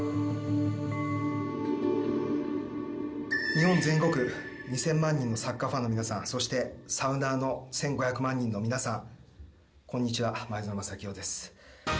日本全国２０００万人のサッカーファンの皆さんそしてサウナーの１５００万人の皆さんこんにちは、前園真聖です。